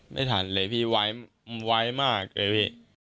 ไม่ทันเลยพี่ไว้มากเลยพี่